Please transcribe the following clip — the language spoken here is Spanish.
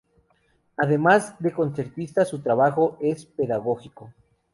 Además de concertista, su trabajo es pedagógico.